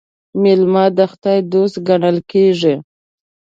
مېلمه د خداى دوست ګڼل کېږي.